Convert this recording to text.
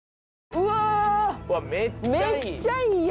うわめっちゃいい！